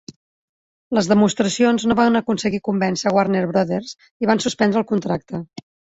Les demostracions no van aconseguir convèncer a Warner Brothers i van suspendre el contracte.